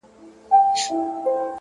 پوهه د پرمختګ تلپاتې ملګرې ده،